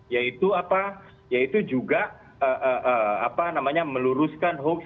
yaitu juga meluruskan hoax